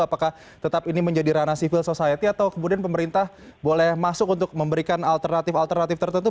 apakah tetap ini menjadi ranah civil society atau kemudian pemerintah boleh masuk untuk memberikan alternatif alternatif tertentu